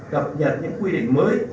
cập nhật những quy định mới